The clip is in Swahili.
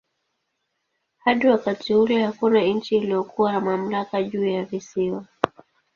Hadi wakati ule hakuna nchi iliyokuwa na mamlaka juu ya visiwa.